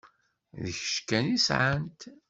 D kečč kan i sɛant.